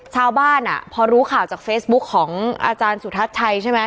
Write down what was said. ชาวบ้านอ่ะพอรู้ข่าวจากเฟซบุ๊คของอาจารย์สุทัศน์ชัยใช่ไหม